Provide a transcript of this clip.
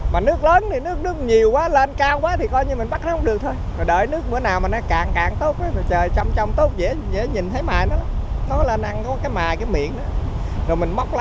mới biết cách để bắt cà xỉu